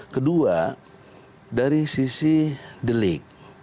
kedua dari sisi delik